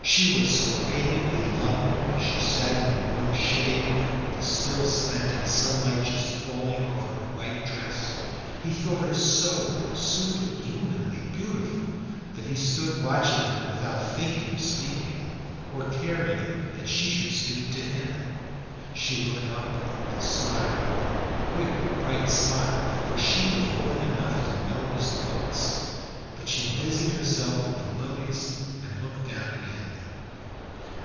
She was so radiantly lovely as she sat in the warm shade with the still slanting sunlight just falling over her white dress, he thought her so super humanly beautiful that he stood watching her without thinking of speaking or caring that she should speak to him. She looked up and smiled, a quick bright smile, for she was woman enough to know his thoughts. But she busied herself with the lilies and looked down again.